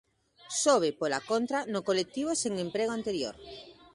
Sobe, pola contra, no colectivo sen emprego anterior.